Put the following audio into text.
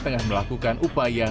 tengah melakukan upaya